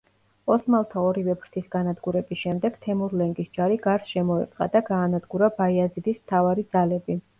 ოსმალთა ორივე ფრთის განადგურების შემდეგ თემურლენგის ჯარი გარს შემოერტყა და გაანადგურა ბაიაზიდის მთავარი ძალები.